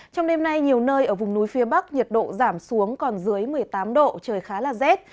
trong đêm nay nhiều nơi ở vùng núi phía bắc nhiệt độ giảm xuống còn dưới một mươi tám độ trời khá là rét